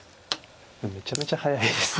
めちゃめちゃ速いですね。